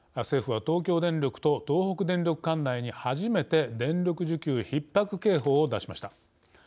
政府は、東京電力と東北電力管内に初めて電力需給ひっ迫警報を出しました。